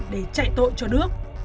để chạy tội cho đức